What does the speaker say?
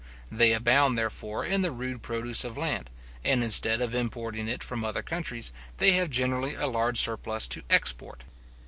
They abound, therefore, in the rude produce of land; and instead of importing it from other countries, they have generally a large surplus to export.